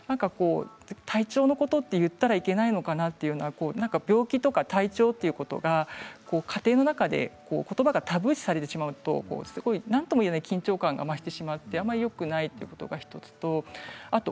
体調のことは言ったらいけないのかなって病気とか体調とか家庭の中で言葉がタブー視されてしまうとなんともいえない緊張感が増してしまってあまりよくないのが１つです。